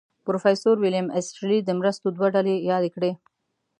پروفیسر ویلیم ایسټرلي د مرستو دوه ډلې یادې کړې.